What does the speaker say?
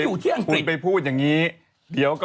จากธนาคารกรุงเทพฯ